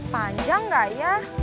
panjang enggak ya